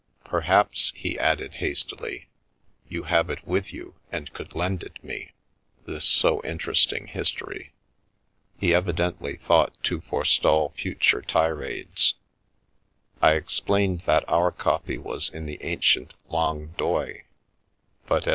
" Perhaps/' he added, hastily, " you have it with you and could lend it me, this so interesting history?" He evidently thought to forestall further tirades. I explained that our copy was in the ancient Langue d'Oil, but, as M.